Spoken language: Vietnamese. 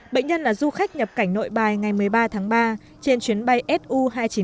bệnh nhân là du khách nhập cảnh nội bài ngày một mươi ba tháng ba trên chuyến bay su hai trăm chín mươi